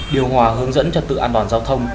điều hòa hướng dẫn trật tự an toàn giao thông